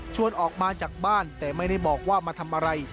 ออกมาจากบ้านแต่ไม่ได้บอกว่ามาทำอะไร